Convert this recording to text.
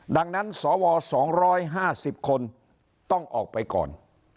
ดังนั้นสว๒๕๐คนต้องออกไปก่อน